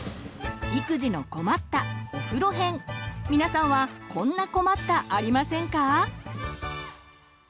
皆さんはこんな困ったありませんか？